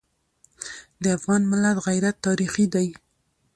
د افغان ملت غیرت تاریخي دی.